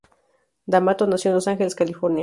D'Amato nació en Los Ángeles, California.